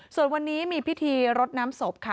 ส่วนวันนี้มีพิธีรดน้ำศพค่ะ